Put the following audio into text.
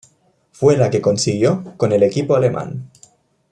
Fue la que consiguió con el equipo alemán.